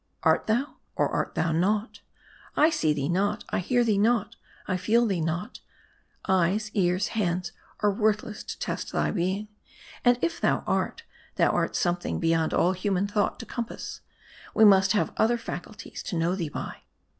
Art thou ? or art thou not ? I see thee not ; I hear thee not ; I feel thee tiot ; eyes, ears, hands, are worthless to test thy being ; and if thou art, thou art something beyond all human thought to compass. We must have other faculties to know thee by.